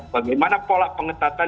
bagaimana pola pengetatan